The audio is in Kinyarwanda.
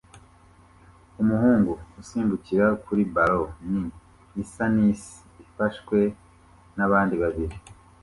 Umuhungu usimbukira kuri ballon nini isa nisi ifashwe nabandi babiri